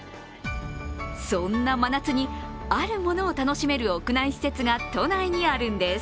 そんな真夏に、あるものを楽しめる屋内施設が都内にあるんです。